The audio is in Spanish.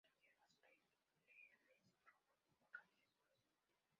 Son hierbas perennes robustas con raíces gruesas.